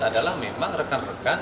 adalah memang rekan rekan